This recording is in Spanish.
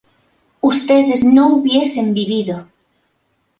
ustedes no hubiesen vivido